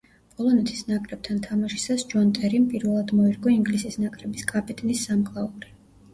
პოლონეთის ნაკრებთან თამაშისას ჯონ ტერიმ პირველად მოირგო ინგლისის ნაკრების კაპიტნის სამკლაური.